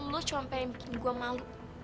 lu cuma pengen bikin gua malu